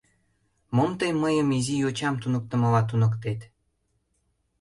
— Мом тый мыйым изи йочам туныктымыла туныктет!